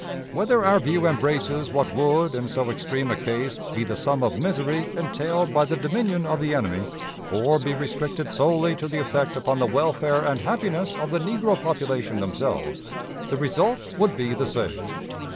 Whether our view embraces what would, in so extreme a case, be the sum of misery entailed by the dominion of the enemy, or be restricted solely to the effect upon the welfare and happiness of the negro population themselves, the result would be the same.